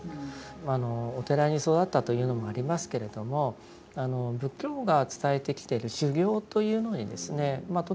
まああのお寺に育ったというのもありますけれども仏教が伝えてきてる修行というのにとても関心を持ちました。